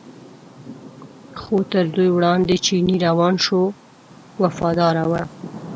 خو تر دوی وړاندې چینی روان شو وفاداره و.